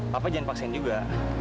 papa jangan paksain juga